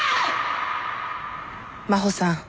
真穂さん